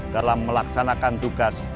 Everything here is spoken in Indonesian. dalam melaksanakan tugas